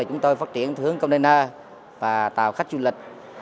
chúng tôi phát triển thưởng hướng container và tàu khách du lịch